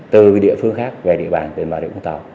từ địa phương khác về địa bàn về vào địa phương tàu